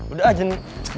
udah aja nih